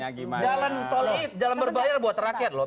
jalan berbayar buat rakyat loh